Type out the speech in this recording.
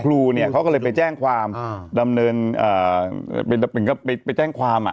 ครูเนี่ยเขาก็เลยไปแจ้งความดำเนินเหมือนกับไปแจ้งความอ่ะ